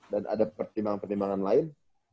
dan ada pertimbangan pertimbangan lain